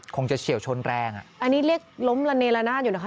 เฉียวชนแรงอ่ะอันนี้เรียกล้มละเนละนาดอยู่นะคะ